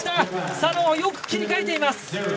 佐野、よく切り替えています。